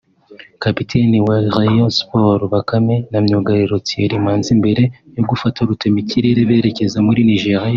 Kapiteni wa Rayon Sports Bakame na myugariro Thierry Manzi mbere yo gufata rutemikirere berekeza muri Nigeria